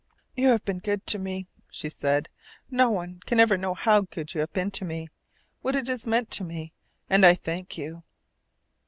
"You have been good to me," she said. "No one can ever know how good you have been to me, what it has meant to me, and I thank you."